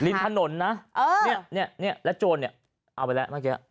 ริมถนนนะเนี่ยแล้วโจรเนี่ยเอาไปแล้วเมื่อกี้